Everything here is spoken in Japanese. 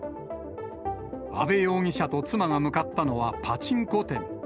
阿部容疑者と妻が向かったのはパチンコ店。